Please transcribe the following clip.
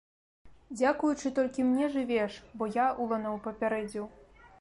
Дзякуючы толькі мне жывеш, бо я уланаў папярэдзіў!